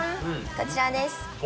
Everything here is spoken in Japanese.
こちらです